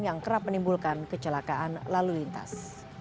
yang kerap menimbulkan kecelakaan lalu lintas